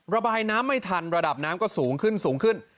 ระบายน้ำไม่ทันระดับน้ำก็สูงขึ้นสูงขึ้น